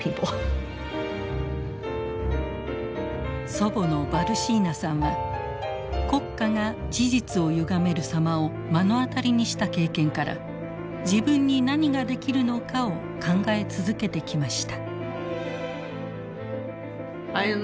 祖母のバルシーナさんは国家が事実をゆがめる様を目の当たりにした経験から自分に何ができるのかを考え続けてきました。